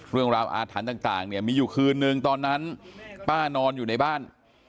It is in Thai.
เรื่องราวอาถรรพ์ต่างมีอยู่คืนหนึ่งตอนนั้นป้านอนอยู่ในบ้าน